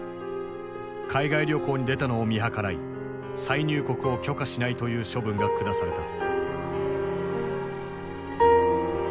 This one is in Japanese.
海外旅行に出たのを見計らい再入国を許可しないという処分が下された。